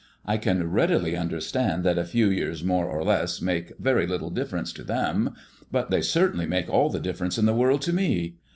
I can readily understand that a few years more or less make very little difference to them, but they certainly make all the difference in the world to me.